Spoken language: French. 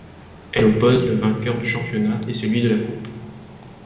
Elle oppose le vainqueur du championnat et celui de la coupe.